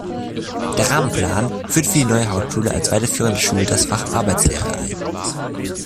Der Rahmenplan führte für die neue Hauptschule als weiterführender Schule das Fach Arbeitslehre ein.